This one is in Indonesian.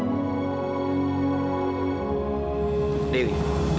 durya kemudian dewi